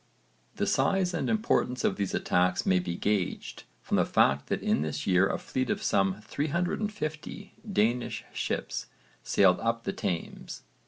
The size and importance of these attacks may be gauged from the fact that in this year a fleet of some 350 Danish ships sailed up the Thames.